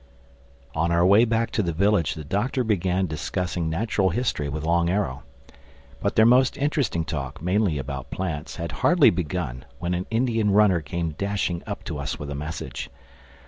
ON our way back to the village the Doctor began discussing natural history with Long Arrow. But their most interesting talk, mainly about plants, had hardly begun when an Indian runner came dashing up to us with a message.